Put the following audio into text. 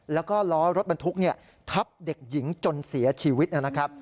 แล้วก็ล้อรถบรรทุกทับเด็กหญิงจนเสียชีวิตนะครับ